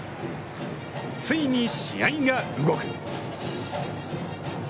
ついに試合が動く。